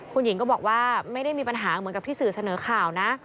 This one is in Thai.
คุณหญิงก็บอกว่าไม่ได้มีปัญหาเหมือนกับที่สื่อเสนอข่าวนะ